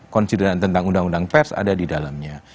konsideran tentang undang undang pers ada di dalamnya